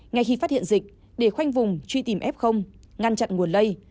ngay khi phát hiện dịch để khoanh vùng truy tìm f ngăn chặn nguồn lây